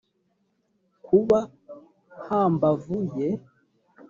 nkuba hambavu ye